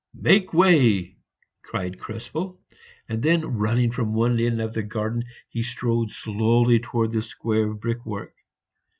"Make way!" cried Krespel; and then running to one end of the garden, he strode slowly towards the square of brickwork.